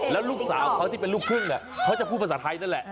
แล้วลูกสาวเขาที่เป็นลูกครึ่งเขาจะพูดภาษาไทยนั่นแหละ